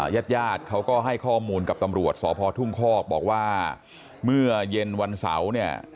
ญาติญาติเขาก็ให้ข้อมูลกับตำรวจสพทุ่งคอกบอกว่าเมื่อเย็นวันเสาร์เนี่ย